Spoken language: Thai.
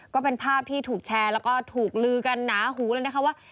ก็เป็นภาพที่ถูกแชร์แล้วก็ถูกลือกันหนาหูเลยนะคะว่า